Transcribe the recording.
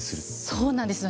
そうなんです。